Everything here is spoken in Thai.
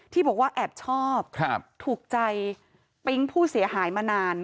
ที่บอกว่าแอบชอบถูกใจปิ๊งผู้เสียหายมานาน